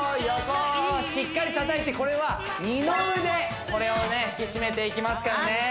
しっかり叩いてこれは二の腕これを引き締めていきますからね